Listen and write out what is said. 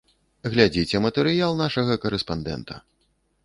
Глядзіце матэрыял нашага карэспандэнта.